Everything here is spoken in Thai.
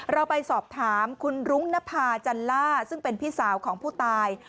เราไปสอบถามคุณรุ้งนภาจันล่าซึ่งเป็นพี่สาวของผู้ตาย